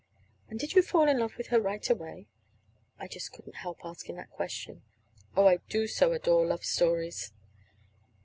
"And did you fall in love with her right away?" I just couldn't help asking that question. Oh, I do so adore love stories!